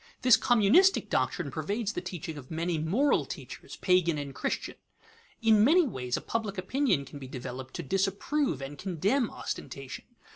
This communistic doctrine pervades the teaching of many moral teachers, pagan and Christian. In many ways a public opinion can be developed to disapprove and condemn ostentation.